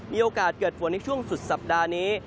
มีโอกาสเกิดฝนในช่วงสุดสัปดาห์นี้